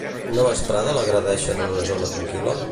Una vesprada l'agredeixen en una zona tranquil·la?